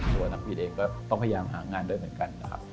ตัวนักบินเองก็ต้องพยายามหางานด้วยเหมือนกันนะครับ